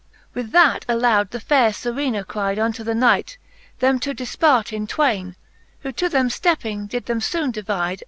With that aloude the faire Serena cryde Unto the Knight, them to difpart in twaine : Who to them ftepping did them foone divide.